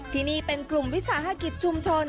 ที่นี่เป็นกลุ่มวิสาหกิจชุมชน